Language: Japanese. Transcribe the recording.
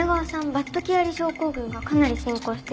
バッド・キアリ症候群がかなり進行してる。